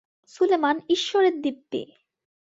সুলেমান, ঈশ্বরের দিব্যি।